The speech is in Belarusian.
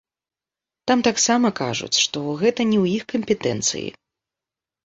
Там таксама кажуць, што гэта не ў іх кампетэнцыі.